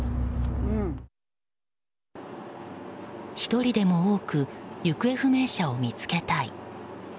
１人でも多く行方不明者を見つけたい。